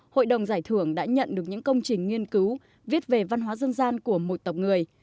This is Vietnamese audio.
hội đồng giải thưởng đã nhận được những công trình nghiên cứu viết về văn hóa dân gian của một tộc người